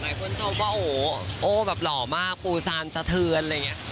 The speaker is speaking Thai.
หลายคนชอบว่าโอ้โอ้แบบหล่อมากโปรซานสะเทือนอะไรเงี้ย